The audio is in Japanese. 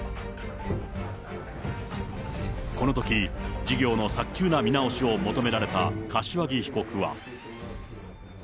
このとき、事業の早急な見直しを求められた柏木被告は。